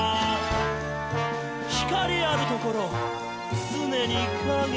「光あるところ、つねに影あり！」